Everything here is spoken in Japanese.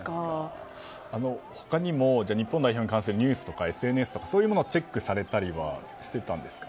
他にも日本代表に関するニュースとかＳＮＳとか、そういうものをチェックされたりしてたんですか。